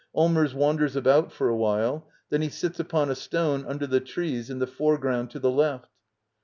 Allmers wanders about for a while. Then he sits upon a stone under the trees in the foreground to the left.